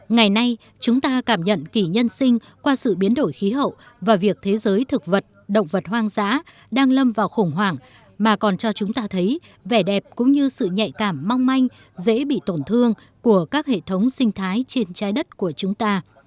ngày nay chúng ta cảm nhận kỷ nhân sinh qua sự biến đổi khí hậu và việc thế giới thực vật động vật hoang dã đang lâm vào khủng hoảng mà còn cho chúng ta thấy vẻ đẹp cũng như sự nhạy cảm mong manh dễ bị tổn thương của các hệ thống sinh thái trên trái đất của chúng ta